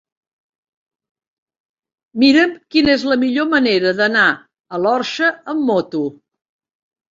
Mira'm quina és la millor manera d'anar a l'Orxa amb moto.